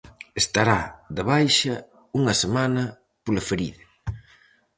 Estará de baixa unha semana pola ferida.